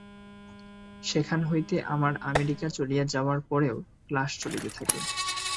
সেখান হইতে আমার আমেরিকা চলিয়া যাওয়ার পরেও ক্লাস চলিতে থাকে।